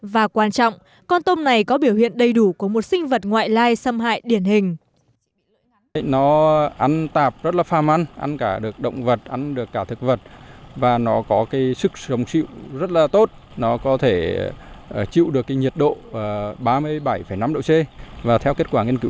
và quan trọng con tôm này có biểu hiện đầy đủ của một sinh vật ngoại lai xâm hại điển hình